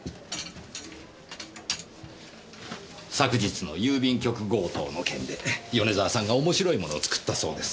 昨日の郵便局強盗の件で米沢さんが面白いものを作ったそうです。